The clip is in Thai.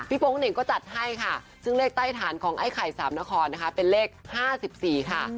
โป๊งเหน่งก็จัดให้ค่ะซึ่งเลขใต้ฐานของไอ้ไข่สามนครนะคะเป็นเลข๕๔ค่ะ